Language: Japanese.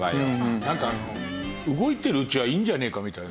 なんかあの動いているうちはいいんじゃねえかみたいな。